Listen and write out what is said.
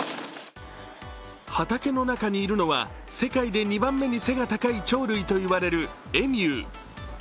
畑の中にいるのは世界で２番目に背の高い鳥類といわれるエミュー。